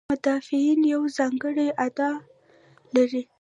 مدافعین یوه ځانګړې ادعا لري.